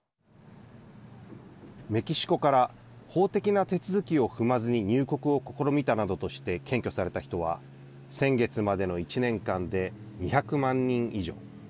メキシコから法的な手続きを踏まずに入国を試みたなどとして検挙された人は先月までの１年間で２００万人以上。